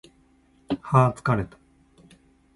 はー疲れた